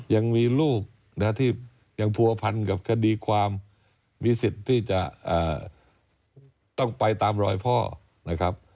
ยังมีลูกนะที่ยังผัวพันกับคดีความมีสิทธิ์ที่จะต้องไปตามรอยพ่อนะครับ